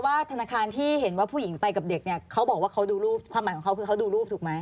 ธนาคารที่เห็นว่าผู้หญิงไปกับเด็กเนี่ยเขาบอกว่าเขาดูรูปความหมายของเขาคือเขาดูรูปถูกไหม